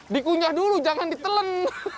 dikunjah dulu jangan ditelen